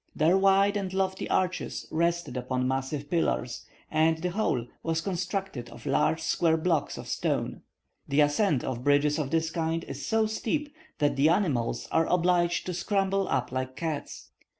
Their wide and lofty arches rested upon massive pillars, and the whole was constructed of large square blocks of stone; the ascent of bridges of this kind is so steep that the animals are obliged to scramble up like cats.